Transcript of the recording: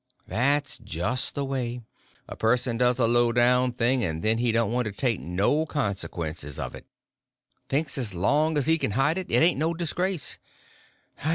That's just the way: a person does a low down thing, and then he don't want to take no consequences of it. Thinks as long as he can hide it, it ain't no disgrace.